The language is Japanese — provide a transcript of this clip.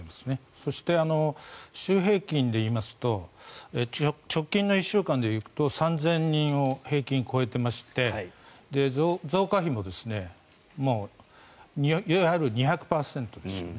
そして週平均で言いますと直近の１週間で行くと３０００人を平均超えていまして増加比もいわゆる２００％ですよね。